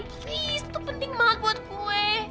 please itu penting banget buat gue